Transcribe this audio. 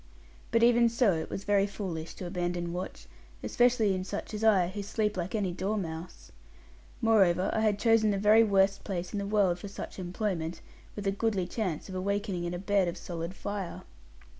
But even so, it was very foolish to abandon watch, especially in such as I, who sleep like any dormouse. Moreover, I had chosen the very worst place in the world for such employment, with a goodly chance of awakening in a bed of solid fire.